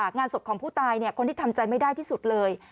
งานศพของผู้ตายคนที่ทำใจไม่ได้ที่สุดเลย